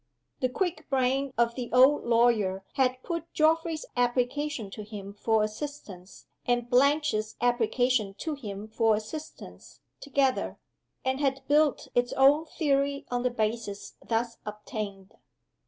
The quick brain of the old lawyer had put Geoffrey's application to him for assistance, and Blanche's application to him for assistance, together; and had built its own theory on the basis thus obtained.